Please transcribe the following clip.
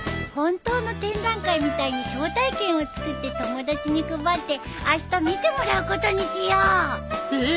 本当の展覧会みたいに招待券を作って友達に配ってあした見てもらうことにしよう。